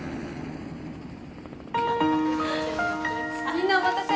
みんなお待たせ。